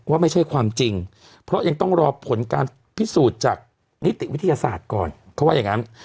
ว่าไม่ใช่ความจริงเพราะยังต้องรอผลการพิสูจน์จากนิติวิทยาศาสตร์ก่อนเขาว่าอย่างนั้น